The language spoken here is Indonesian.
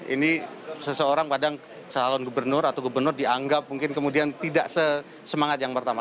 ini seseorang kadang salon gubernur atau gubernur dianggap mungkin kemudian tidak sesemangat yang pertama